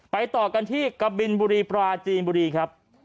ต่อกันที่กะบินบุรีปราจีนบุรีครับ